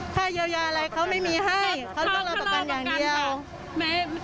ให้เยียวยาอะไรเขาไม่มีให้เขาเล่าต่อกันอย่างเดียว